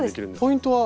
ポイントは？